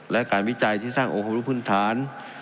และการวิจัยที่สร้างองครุพื้นฐาน